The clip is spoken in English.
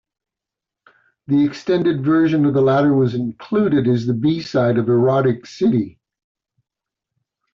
The extended version of the latter was included as the B-side of "Erotic City".